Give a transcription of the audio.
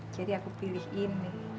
jadi aku pilih ini